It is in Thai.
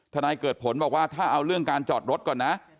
นายเกิดผลบอกว่าถ้าเอาเรื่องการจอดรถก่อนนะ